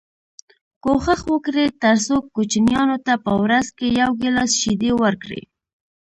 کوښښ وکړئ تر څو کوچنیانو ته په ورځ کي یو ګیلاس شیدې ورکړی